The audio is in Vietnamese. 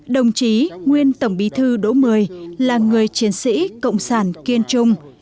đồng chí nguyên tổng bí thư đỗ mười là người chiến sĩ cộng sản kiên trung